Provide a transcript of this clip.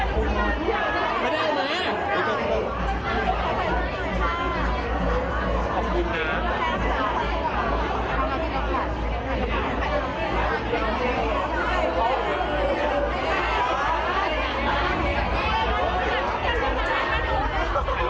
ก็ไม่มีเวลาให้กลับมาเที่ยวแต่ว่าจะมีเวลาให้กลับมาเที่ยว